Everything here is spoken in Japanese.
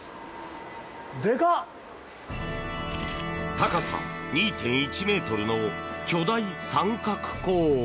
高さ２．１ｍの巨大三角コーン。